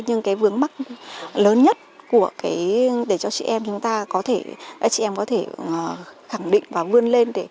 nhưng cái vướng mắt lớn nhất để cho chị em có thể khẳng định và vươn lên